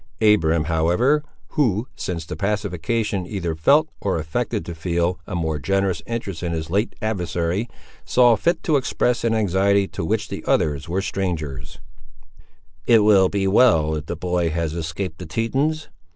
Abiram, however, who, since the pacification, either felt, or affected to feel, a more generous interest in his late adversary, saw fit to express an anxiety, to which the others were strangers— "It will be well if the boy has escaped the Tetons!"